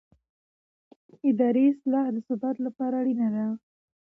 اداري اصلاح د ثبات لپاره اړینه ده